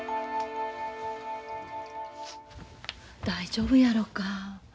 大丈夫やろか。